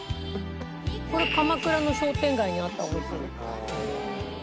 これ鎌倉の商店街にあったお店。